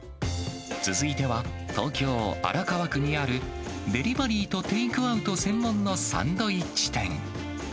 続いては、東京・荒川区にあるデリバリーとテイクアウト専門のサンドイッチ店。